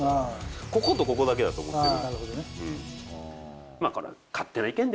こことここだけだと思ってるんで。